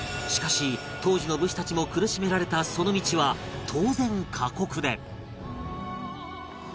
しかし当時の武士たちも苦しめられたその道は当然過酷で